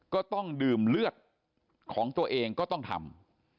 ก็ต้องดื่มเลือดของตัวเองก็ต้องทำ